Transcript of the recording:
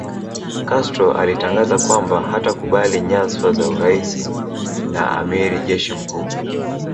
Castro alitangaza kwamba hatakubali nyazfa za urais na amiri jeshi mkuu